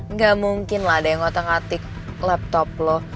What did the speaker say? nggak mungkin lah ada yang ngotak katik laptop lo